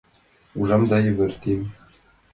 Ужам да йывыртем